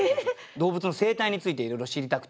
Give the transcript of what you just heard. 動物の生態についていろいろ知りたくて。